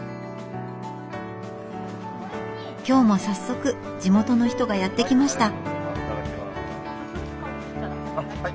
今日も早速地元の人がやって来ました。